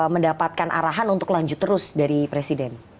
mendapatkan arahan untuk lanjut terus dari presiden